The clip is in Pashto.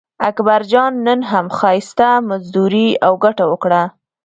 اکبرجان نن هم ښایسته مزدوري او ګټه وکړه.